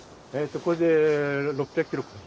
これで６００キロ。